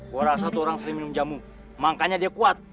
gue rasa tuh orang sering minum jamu makanya dia kuat